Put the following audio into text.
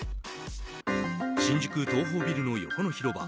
新宿東宝ビルの横の広場